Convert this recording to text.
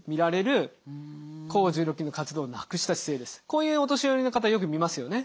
こういうお年寄りの方よく見ますよね？